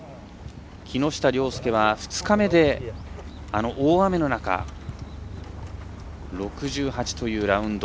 木下稜介は２日目であの大雨の中６８というラウンド。